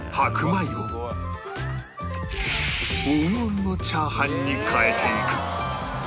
黄金のチャーハンに変えていく